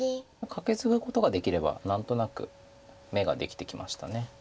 カケツグことができれば何となく眼ができてきました。